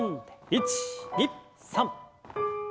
１２３。